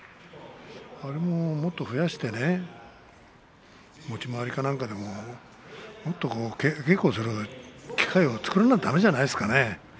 あれをもっと増やして持ち回りか何かでももっと稽古をするような機会を作らないとだめじゃないですかね。